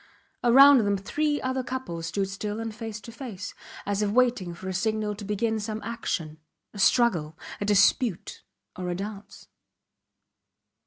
Around them three other couples stood still and face to face, as if waiting for a signal to begin some action a struggle, a dispute, or a dance.